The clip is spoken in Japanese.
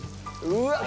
うわっ。